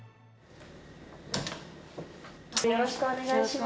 よろしくお願いします。